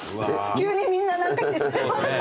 急にみんな何か姿勢。